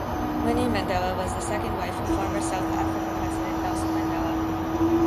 Winnie Mandela was the second wife of former South Africa President Nelson Mandela.